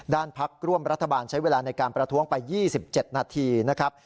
พักร่วมรัฐบาลใช้เวลาในการประท้วงไป๒๗นาทีนะครับ